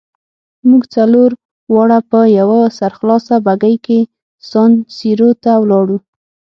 موږ څلور واړه په یوه سرخلاصه بګۍ کې سان سیرو ته ولاړو.